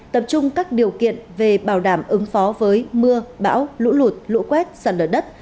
tập trung các điều kiện về bảo đảm ứng phó với mưa bão lũ lụt lũ quét sạt lở đất